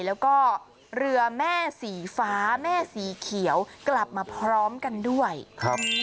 แล้วก็เรือแม่สีฟ้าแม่สีเขียวกลับมาพร้อมกันด้วยครับ